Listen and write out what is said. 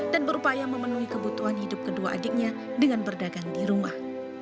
dan berupaya memenuhi kebutuhan hidup kedua adiknya dengan berdagang di rumah